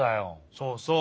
そうそう。